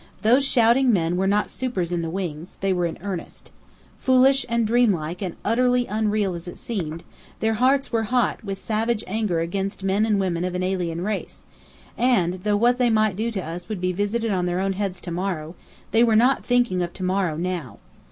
Those shouting men were not supers in the wings. They were in earnest. Foolish and dreamlike and utterly unreal as it seemed, their hearts were hot with savage anger against men and women of an alien race: and though what they might do to us would be visited on their own heads to morrow, they were not thinking of to morrow now.